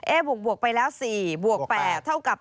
เอ่อเปลี่ยวแล้ว๔๘เท่ากับ๑๒